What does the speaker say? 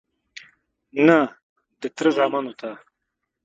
_نه، د تره زامنو ته..